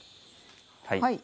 はい。